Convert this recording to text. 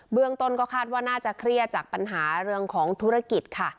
เรื่องต้นก็คาดว่าน่าจะเครียดจากปัญหาเรื่องของธุรกิจค่ะ